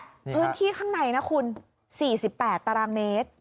พื้นที่ข้างในนะคุณ๔๘ตรม